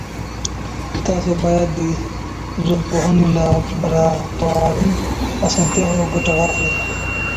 تاسو باید د ژوندپوهنې له لابراتواري اسانتیاوو ګټه واخلئ.